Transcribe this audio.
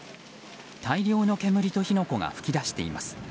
大量の煙と火の粉が噴き出しています。